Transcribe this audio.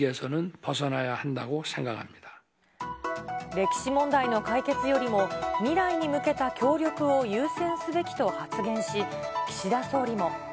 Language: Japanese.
歴史問題の解決よりも、未来に向けた協力を優先すべきと発言し、岸田総理も。